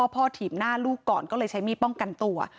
ถีบหน้าลูกก่อนก็เลยใช้มีดป้องกันตัว